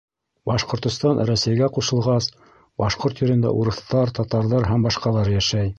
Башҡортостан Рәсәйгә ҡушылғас, башҡорт ерендә урыҫтар, татарҙар һ.б. йәшәй